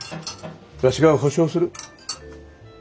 わしが保証する。